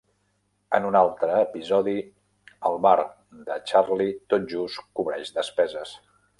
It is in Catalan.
En un altre episodi, el bar de Charlie tot just cobreix despeses.